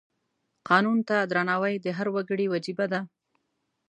قانون ته درناوی د هر وګړي وجیبه ده.